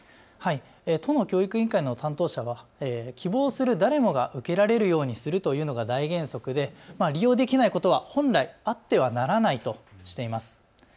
都の教育委員会の担当者は希望する誰もが受けられるようにするというのが大原則で利用できないことは本来あってはならないとしています。